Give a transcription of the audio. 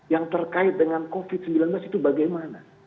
yang terkait dengan covid sembilan belas itu bagaimana